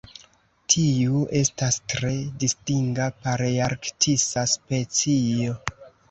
Tiu estas tre distinga palearktisa specio.